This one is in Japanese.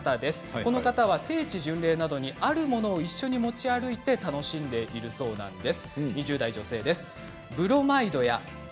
この方は聖地巡礼にあるものを持ち歩いて楽しんでいるということです。